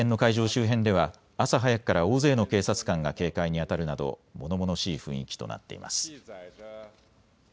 周辺では朝早くから大勢の警察官が警戒にあたるなどものものしい雰囲気となっています。